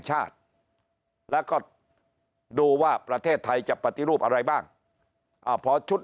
ชาติแล้วก็ดูว่าประเทศไทยจะปฏิรูปอะไรบ้างพอชุด